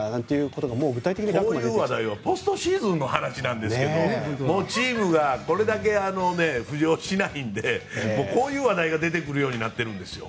こういう話題はポストシーズンの話なんですけどもうチームがこれだけ浮上しないのでこういう話題が出てくるようになってるんですよ。